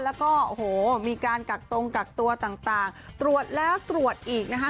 แล้วก็โอ้โหมีการกักตรงกักตัวต่างตรวจแล้วตรวจอีกนะคะ